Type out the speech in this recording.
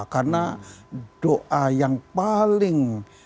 karena doa yang paling